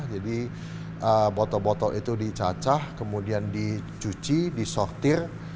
jadi botol botol itu dicacah kemudian dicuci disortir